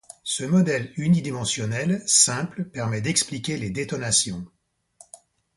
Ce modèle unidimensionnel, simple, permet d'expliquer les détonations.